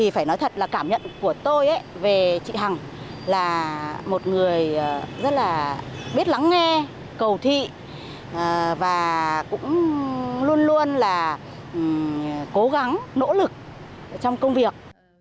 phải nói thật là cảm nhận của tôi về chị hằng là một người rất là biết lắng nghe cầu thị và cũng luôn luôn là cố gắng nỗ lực trong công việc